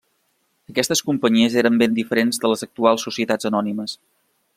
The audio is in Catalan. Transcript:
Aquestes companyies eren ben diferents de les actuals societats anònimes.